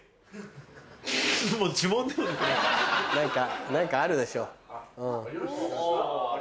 何か何かあるでしょう。